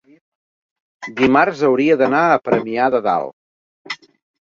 dimarts hauria d'anar a Premià de Dalt.